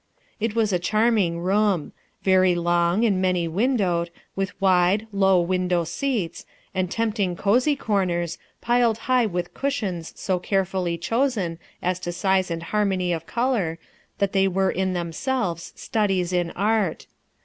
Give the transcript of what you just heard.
It was a charming room. Very long and many windowed, with wide, low window seats, md ACCIDENT OR DESIGN? 153 tempting cosy comer?, piled lugli will; cushion* so carefully chosen, as to size and hannoay of color, that they were in themselves studies in art.